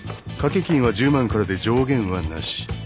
賭け金は１０万からで上限はなし。